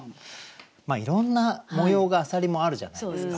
まあいろんな模様が浅蜊もあるじゃないですか。